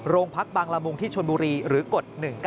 โรงพักบางละมุงที่ชนบุรีหรือกฎ๑๙